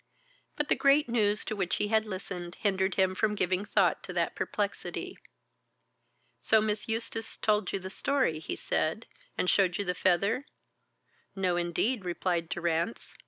But the great news to which he had listened hindered him from giving thought to that perplexity. "So Miss Eustace told you the story," he said, "and showed you the feather?" "No, indeed," replied Durrance.